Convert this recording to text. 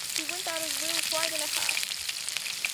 She went out of the room quite in a huff.